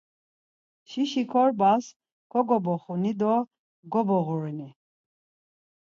Şişi korbas kogoboxuni do goboğurini.